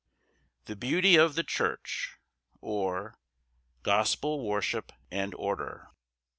The beauty of the church; or, Gospel worship and order.